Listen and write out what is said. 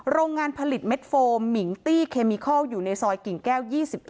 โรงงานผลิตเม็ดโฟมมิงตี้เคมิคอลอยู่ในซอยกิ่งแก้ว๒๑